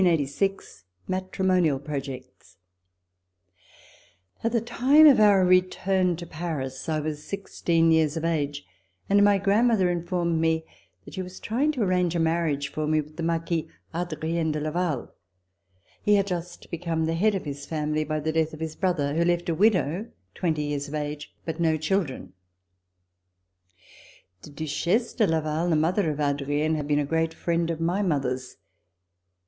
— Decision of Mile. Dillon. jk T the time of our return to Paris I was six /\ teen years of age, and my grandmother in ^ m. formed me that she was trying to arrange a marriage for me with the Marquis Adrien de Laval. He had just become the head of his family by the death of his brother, who left a widow twenty years of age, but no children. The Duchesse de Laval, the mother of Adrien, had been a great friend of my mother's.